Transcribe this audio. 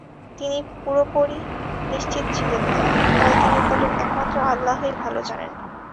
তিনি পুরোপরি নিশ্চিত ছিলেন না, তাই তিনি বলেন, "একমাত্র আল্লাহই ভালো জানেন"।